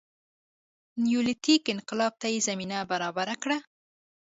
نیولیتیک انقلاب ته یې زمینه برابره کړه